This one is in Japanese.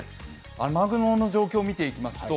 雨雲の状況を見ていきますと